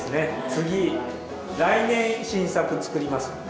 次来年新作作りますんで。